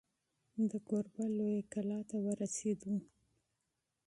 د کوربه لویې کلا ته ورسېدو.